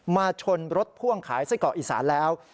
ชนรถพ่วงขายไส้กรอกอีสานแล้ว